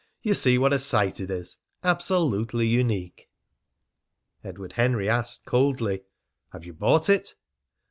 You see what a site it is absolutely unique." Edward Henry asked coldly: "Have you bought it?"